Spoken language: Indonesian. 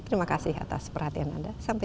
terima kasih atas perhatian anda